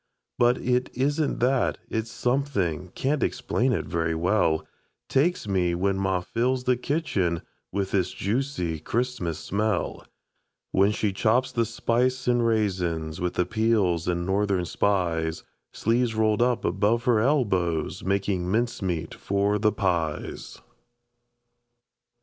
But it isn't that, it's something Can't explain it very well Takes me when ma fills the kitchen With this juicy Christmas smell. When she chops the spice an' raisins, With the peels an' Northern Spies, Sleeves rolled up above her elbows, Makin' mincemeat for the pies.